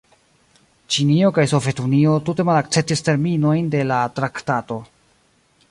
Ĉinio kaj Sovetunio tute malakceptis terminojn de la traktato.